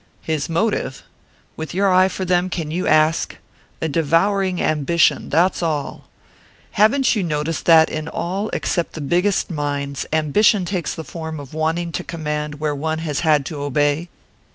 "His motive? With your eye for them, can you ask? A devouring ambition, that's all! Haven't you noticed that, in all except the biggest minds, ambition takes the form of wanting to command where one has had to obey?